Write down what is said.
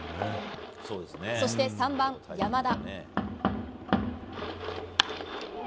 そして３番、山田。